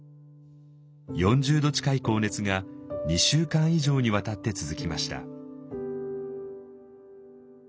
４０度近い高熱が２週間以上にわたって続きました。